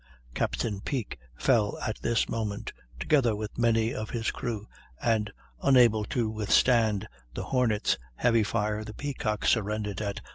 Captain Peake fell at this moment, together with many of his crew, and, unable to withstand the Hornet's heavy fire, the Peacock surrendered at 5.